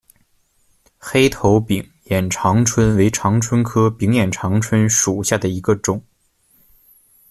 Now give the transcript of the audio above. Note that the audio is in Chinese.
黑头柄眼长蝽为长蝽科柄眼长蝽属下的一个种。